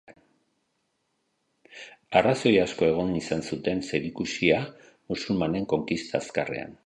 Arrazoi asko egon izan zuten zerikusia musulmanen konkista azkarrean.